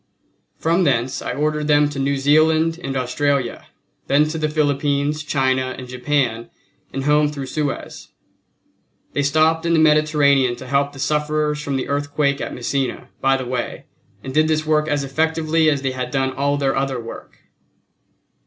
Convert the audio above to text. From thence I ordered them to New Zealand and Australia, then to the Philippines, China and Japan, and home through Suez they stopped in the Mediterranean to help the sufferers from the earthquake at Messina, by the way, and did this work as effectively as they had done all their other work.